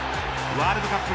ワールドカップ